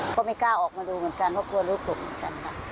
ก็ไม่กล้าออกมาดูเหมือนกันเพราะกลัวรู้สึกเหมือนกันค่ะ